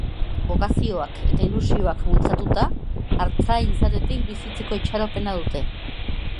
Bokazioak eta ilusioak bultzatuta, artzai izatetik bizitzeko itxaropena dute.